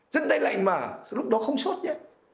chân đây lạnh mà lúc đó không suốt nhé